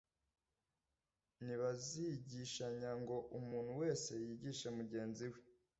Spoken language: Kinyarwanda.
Ntibazigishanya ngo umuntu wese yigishe mugenzi we